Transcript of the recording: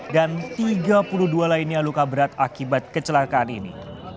dan tiga puluh dua lainnya luka berat akibat kecelakaan ini